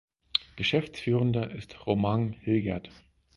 Geschäftsführender ist Romain Hilgert.